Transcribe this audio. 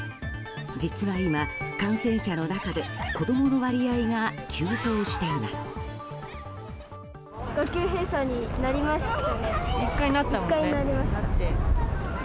実は今、感染者の中で子供の割合が急増しています。